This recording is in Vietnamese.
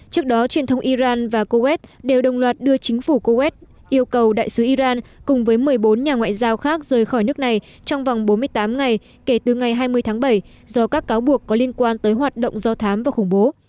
trước đó truyền thông iran và kuwait đều đồng loạt đưa chính phủ coet yêu cầu đại sứ iran cùng với một mươi bốn nhà ngoại giao khác rời khỏi nước này trong vòng bốn mươi tám ngày kể từ ngày hai mươi tháng bảy do các cáo buộc có liên quan tới hoạt động do thám và khủng bố